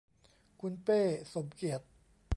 คุณเป้ สมเกียรติ